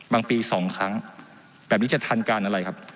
ปี๒ครั้งแบบนี้จะทันการอะไรครับ